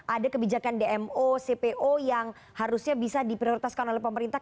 ada kebijakan dmo cpo yang harusnya bisa diprioritaskan oleh pemerintah